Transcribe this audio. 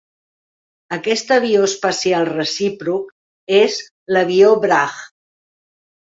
Aquest avió espacial recíproc és l'"avió Bragg".